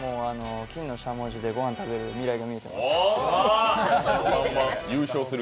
金のしゃもじで、ご飯食べる未来が見えてる。